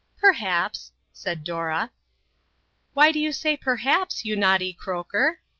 " Perhaps," said Dora. " Why do you say ' perhaps,' you naughty croaker?